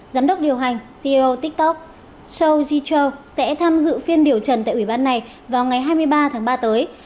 giám đốc điều hành ceo tiktok show jeru sẽ tham dự phiên điều trần tại ủy ban này vào ngày hai mươi ba tháng ba tới